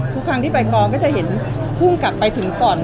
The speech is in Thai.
ทุกครั้งที่ไปกองก็จะเห็นภูมิกลับไปถึงป่อน